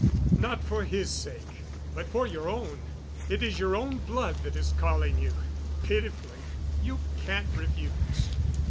Not for his sake—but for your own. It is your own blood that is calling you—pitifully—you can't refuse."